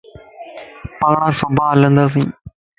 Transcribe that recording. پاڻ صبح ھلنداسين